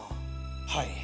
はい。